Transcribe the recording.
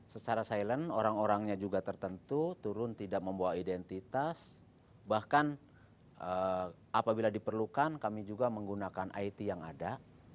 secara silent orang orangnya juga tertentu turun tidak membawa identitas bahkan apabila diperlukan kami juga menggunakan it yang ada